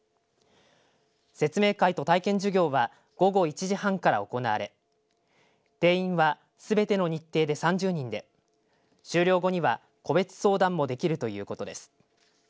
説明会と体験授業は午後１時半から行われ定員はすべての日程で３０人で終了後には個別相談もできるということです。